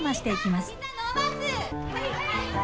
はい！